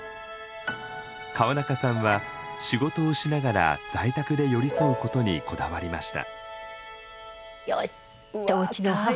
川中さんは仕事をしながら在宅で寄り添うことにこだわりました。